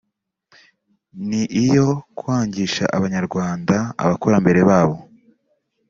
ni iyo kwangisha Abanyarwanda abakurambere babo